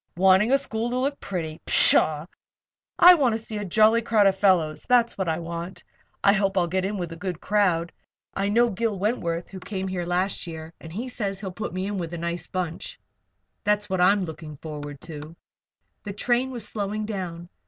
"Wanting a school to look pretty! Pshaw! I want to see a jolly crowd of fellows, that's what I want. I hope I'll get in with a good crowd. I know Gil Wentworth, who came here last year, and he says he'll put me in with a nice bunch. That's what I'm looking forward to." The train was slowing down.